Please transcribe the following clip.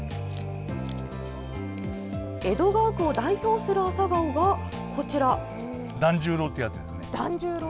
江戸川区を代表する朝顔がこちら。